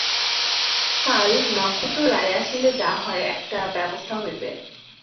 কাল নক্ষত্ররায় আসিলে যা হয় একটা ব্যবস্থা হইবে।